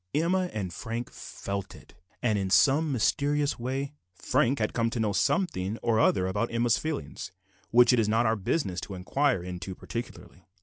Emma and Frank felt it, and, in some mysterious way, Frank had come to know something or other about Emma's feelings, which it is not our business to inquire into too particularly.